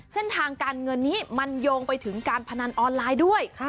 เส้นทางการเงินนี้มันโยงไปถึงการพนันออนไลน์ด้วย